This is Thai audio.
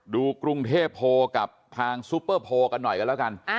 ดูกรุงเทพโพลกับทางซุปเปอร์โพลกันหน่อยกันแล้วกัน